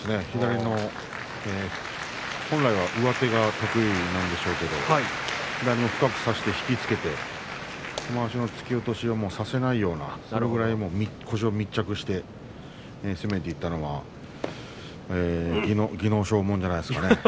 左の本来は上手が得意なんでしょうけれども左を深く差して引き付けてまわしの突き落としをさせないような、それぐらい腰を密着させて攻めていったのが技能賞もんじゃないですかね。